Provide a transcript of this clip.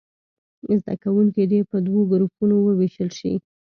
زده کوونکي دې په دوو ګروپونو ووېشل شي.